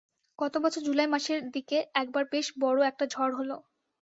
গত বছর জুলাই মাসের দিকে একবার বেশ বড় একটা ঝড় হলো।